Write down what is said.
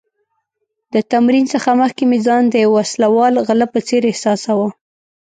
د تمرین څخه مخکې مې ځان د یو وسله وال غله په څېر احساساوه.